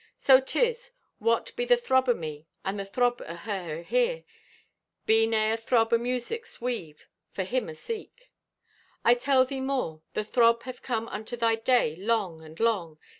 So 'tis, what be the throb o' me and the throb o' her ahere, be nay a throb o' music's weave for him aseek. "I tell thee more. The throb hath come unto thy day long and long.